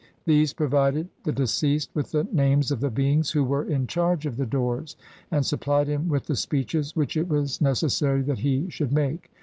These provided the deceased with the names of the beings who were in charge of the doors, and supplied him with the speeches which it was neces sary that he should make.